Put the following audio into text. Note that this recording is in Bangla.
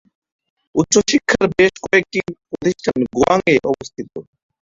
উচ্চশিক্ষার বেশ কয়েকটি প্রতিষ্ঠান গোয়াং এ অবস্থিত।